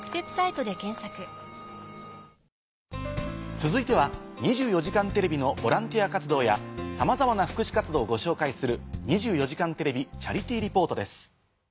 続いては『２４時間テレビ』のボランティア活動やさまざまな福祉活動をご紹介する。